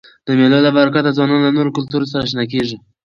د مېلو له برکته ځوانان له نورو کلتورو سره اشنا کيږي.